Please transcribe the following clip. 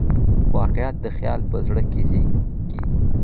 واقعیت د خیال په زړه کې زېږي.